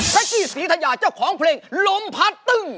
แท๊กกี้สีทายาเจ้าของเพลงลมพัดตึง